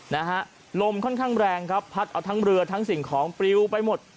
นะฮะลมค่อนข้างแรงครับพัดเอาทั้งเรือทั้งสิ่งของปริวไปหมด